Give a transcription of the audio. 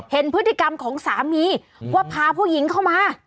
เห็นพฤติกรรมของสามีว่าพาผู้หญิงเข้ามา